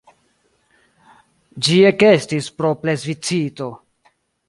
Ĝi ekestis pro plebiscito.